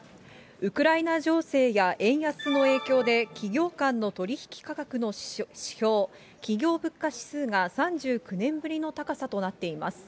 ウクライナ情勢や円安の影響で、企業間の取引価格の指標、企業物価指数が３９年ぶりの高さとなっています。